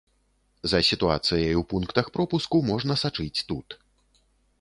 За сітуацыяй у пунктах пропуску можна сачыць тут.